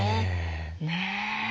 ねえ。